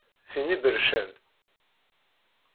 Tin ibercen.